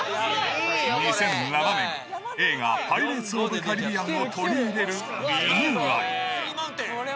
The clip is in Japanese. ２００７年、映画、パイレーツ・オブ・カリビアンを取り入れるリニューアル。